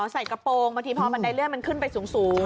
ใส่กระโปรงบางทีพอบันไดเลื่อนมันขึ้นไปสูง